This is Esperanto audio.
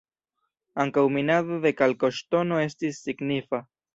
Ankaŭ minado de kalkoŝtono estis signifa.